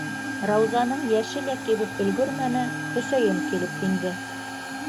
Раузаның йәше лә кибеп өлгөрмәне, Хөсәйен килеп инде: